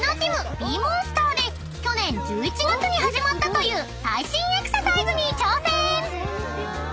ｂ−ｍｏｎｓｔｅｒで去年１１月に始まったという最新エクササイズに挑戦！］